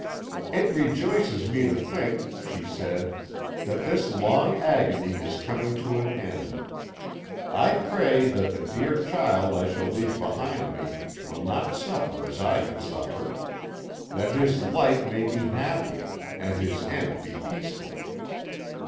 "'It rejoices me to think,' she said, 'that this long agony is coming to an end. I pray that the dear child I shall leave behind me will not suffer as I have suffered, that his life may be happy, and his end be peaceful.